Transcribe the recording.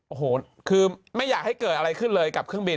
โอ้โหคือไม่อยากให้เกิดอะไรขึ้นเลยกับเครื่องบิน